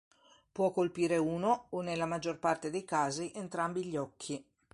Può colpire uno o, nella maggior parte dei casi, entrambi gli occhi.